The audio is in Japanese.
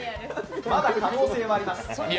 まだ可能性はあります。